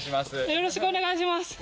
よろしくお願いします。